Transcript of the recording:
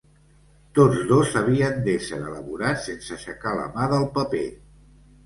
Tots dos havien d'ésser elaborats sense aixecar la mà del paper.